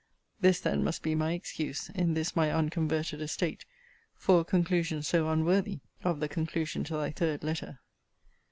This then must be my excuse, in this my unconverted estate, for a conclusion so unworthy of the conclusion to thy third letter.